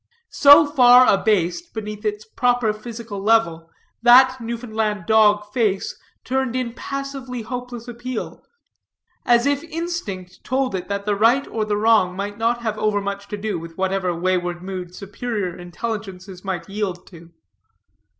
So far abased beneath its proper physical level, that Newfoundland dog face turned in passively hopeless appeal, as if instinct told it that the right or the wrong might not have overmuch to do with whatever wayward mood superior intelligences might yield to.